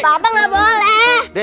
papa gak boleh